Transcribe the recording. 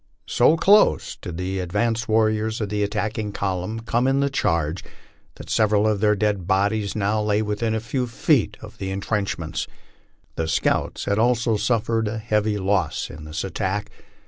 So close did the advance warriors of the attacking column come in the charge, that several of their dead bodies now lay within a few feet of the in trcndmicnts. The scouts had also suffered a hesivy loss in this attack.